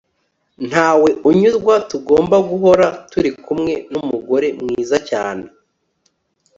ntawe unyurwa tugomba guhora turi kumwe n'umugore mwiza cyane